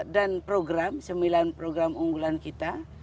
empat dan program sembilan program unggulan kita